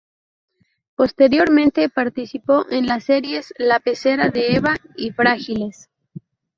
Posteriormente participó en las series "La pecera de Eva" y "Frágiles".